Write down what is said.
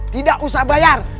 tidak usah bayar